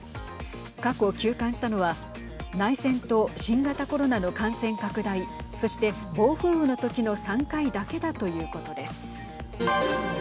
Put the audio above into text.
過去、休館したのは内戦と新型コロナの感染拡大そして暴風雨のときの３回だけだということです。